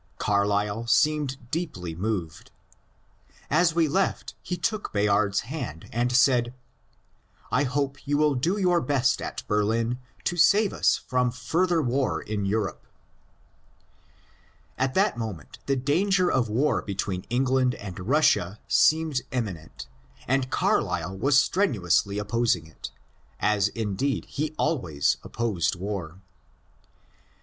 Carlyle seemed deeply moved. As we left he took Bayard's hand and said, ^^ I hope you will do your best at Berlin to save us from further war in Europe." At that moment the danger of war between England and Russia seemed imminent, and Carlyle was strenuously oppos ingit,_as indeed he always oppoid war.